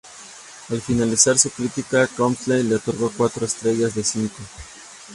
Al finalizar su crítica, Copsey le otorgó cuatro estrellas de cinco.